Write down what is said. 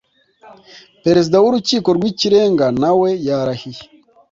perezida w’ urukiko rw’ ikirenga nawe yarahiye.